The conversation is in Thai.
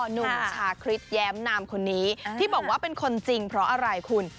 หนุ่มชาคริสแย้มนามคนนี้ที่บอกว่าเป็นคนจริงเพราะอะไรคุณ